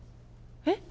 えっ？